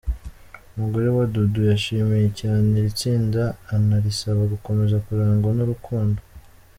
Umugore wa Dudu yashimiye cyane iri tsinda anarisaba gukomeza kurangwa n’urukundo.